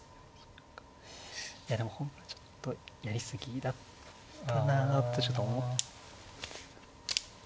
いやでも本譜ちょっとやり過ぎだったなとちょっと思って。